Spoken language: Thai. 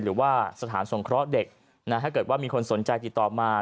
หรือว่าสถานสงเคราะห์เด็กถ้าเกิดว่ามีคนสนใจติดต่อมา